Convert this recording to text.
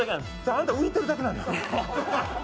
あなた、浮いてるだけなんよ